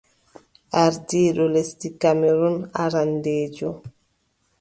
Ardiiɗo lesdi Kamerun arandeejo.